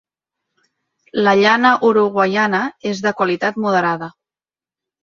La llana uruguaiana és de qualitat moderada.